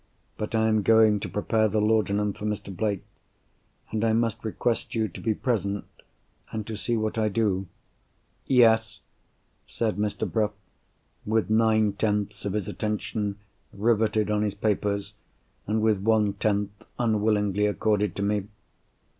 "But I am going to prepare the laudanum for Mr. Blake; and I must request you to be present, and to see what I do." "Yes?" said Mr. Bruff, with nine tenths of his attention riveted on his papers, and with one tenth unwillingly accorded to me.